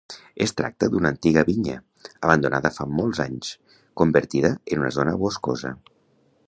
Es tracta d'una antiga vinya, abandonada fa molts anys, convertida en una zona boscosa.